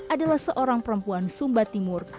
adalah seorang perempuan sumba timur